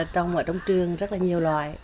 trong trường rất nhiều loài